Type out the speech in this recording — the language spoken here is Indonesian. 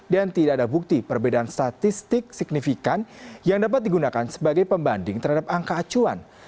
dan tidak ada bukti perbedaan statistik signifikan yang dapat digunakan sebagai pembanding terhadap angka acuan